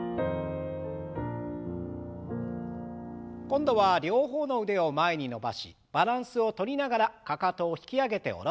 今度は両方の腕を前に伸ばしバランスをとりながらかかとを引き上げて下ろす運動。